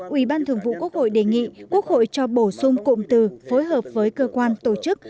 ủy ban thường vụ quốc hội đề nghị quốc hội cho bổ sung cụm từ phối hợp với cơ quan tổ chức